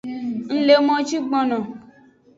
Ng le moji gbono.